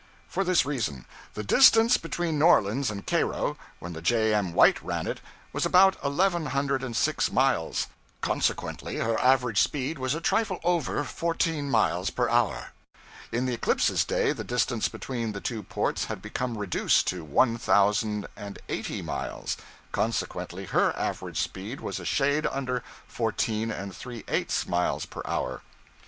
For this reason: the distance between New Orleans and Cairo, when the 'J. M. White' ran it, was about eleven hundred and six miles; consequently her average speed was a trifle over fourteen miles per hour. In the 'Eclipse's' day the distance between the two ports had become reduced to one thousand and eighty miles; consequently her average speed was a shade under fourteen and three eighths miles per hour.